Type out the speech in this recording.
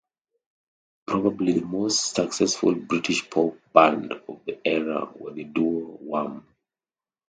Probably the most successful British pop band of the era were the duo Wham!